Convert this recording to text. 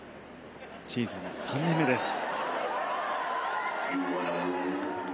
シーズン３年目です。